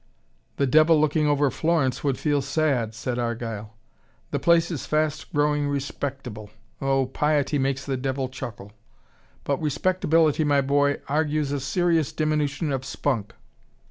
"The devil looking over Florence would feel sad," said Argyle. "The place is fast growing respectable Oh, piety makes the devil chuckle. But respectability, my boy, argues a serious diminution of spunk.